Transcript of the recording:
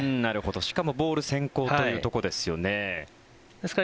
しかもボール先行というところですよね。